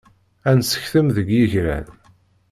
Ad nessektem deg yigran.